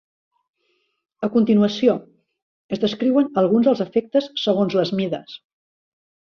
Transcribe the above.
A continuació es descriuen alguns dels efectes segons les mides.